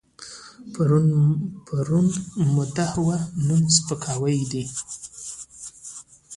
پرون مدح وه، نن سپکاوی دی.